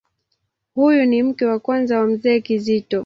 Huyu ni mke wa kwanza wa Mzee Kizito.